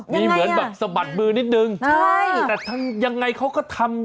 มีเหมือนแบบสะบัดมือนิดนึงใช่แต่ทำยังไงเขาก็ทำ